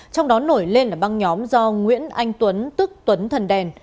trong đó nổi lên là băng nhóm do nguyễn anh tuấn tức tuấn thần đèn